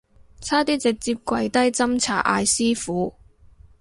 差啲直接跪低斟茶嗌師父